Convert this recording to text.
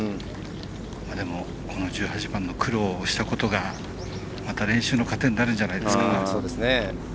この１８番の苦労をしたことがまた練習の糧になるんじゃないですか。